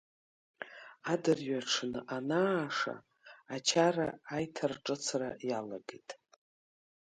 Адырҩаҽны анааша ачара аиҭарҿыцра иалагеит.